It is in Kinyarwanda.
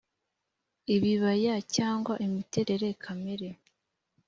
ibibaya cyangwa imiterere kamere